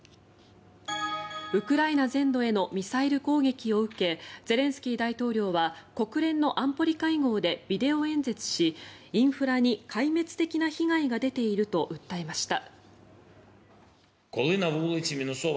ウクライナ全土へのミサイル攻撃を受けゼレンスキー大統領は国連の安保理会合でビデオ演説しインフラに壊滅的な被害が出ていると訴えました。